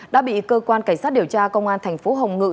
đã bị cơ quan cảnh sát điều tra công an thành phố hồng ngự